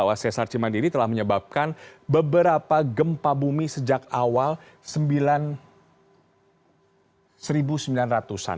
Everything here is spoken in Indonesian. bahwa sesar cimandiri telah menyebabkan beberapa gempa bumi sejak awal seribu sembilan ratus an